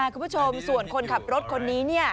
คุณผู้ชมส่วนคนขับรถคนนี้